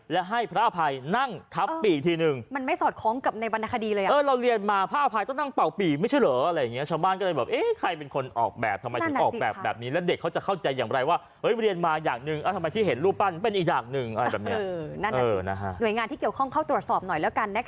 แล้วให้พระอภัยนั่งทับปี่ทีนึงมันไม่สอดคล้องกับในบรรณคดีเลย